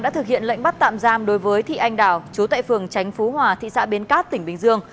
đã thực hiện lệnh bắt tạm giam đối với thị anh đào chú tại phường tránh phú hòa thị xã bến cát tỉnh bình dương